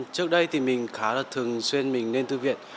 trước đây thì mình khá là thường xuyên mình nên thư viện